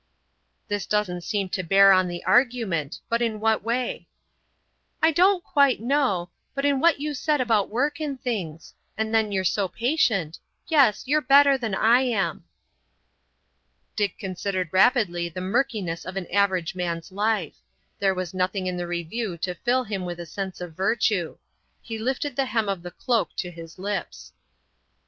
"This doesn't seem to bear on the argument—but in what way?" "I don't quite know, but in what you said about work and things; and then you're so patient. Yes, you're better than I am." Dick considered rapidly the murkiness of an average man's life. There was nothing in the review to fill him with a sense of virtue. He lifted the hem of the cloak to his lips.